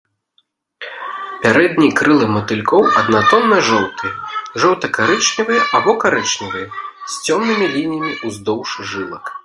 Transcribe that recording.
Пярэднія крылы матылькоў аднатонна-жоўтыя, жоўта-карычневыя або карычневыя, з цёмнымі лініямі ўздоўж жылак.